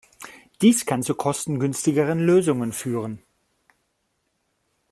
Dies kann zu kostengünstigeren Lösungen führen.